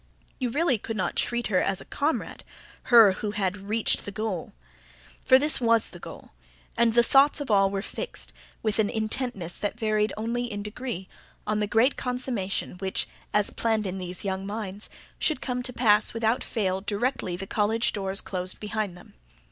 You really could not treat her as a comrade her, who had reached the goal. For this WAS the goal; and the thoughts of all were fixed, with an intentness that varied only in degree, on the great consummation which, as planned in these young minds, should come to pass without fail directly the college doors closed behind them.